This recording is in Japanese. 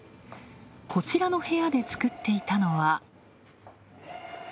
こちらの部屋で作っていたのは。